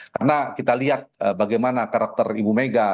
karena kita lihat bagaimana karakter ibu mega